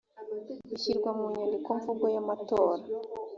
bishyirwa mu nyandikomvugo y amatora